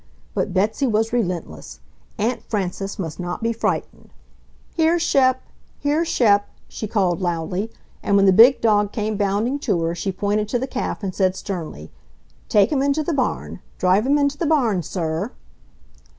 But Betsy was relentless. Aunt Frances must not be frightened! "Here, Shep! Here, Shep!" she called loudly, and when the big dog came bounding to her she pointed to the calf and said sternly, "Take him into the barn! Drive him into the barn, sir!"